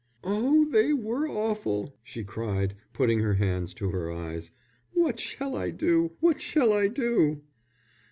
"Oh, they were awful," she cried, putting her hands to her eyes. "What shall I do? What shall I do?"